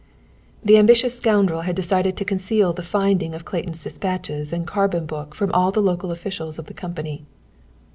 The ambitious scoundrel had decided to conceal the finding of Clayton's dispatches and carbon book from all the local officials of the company.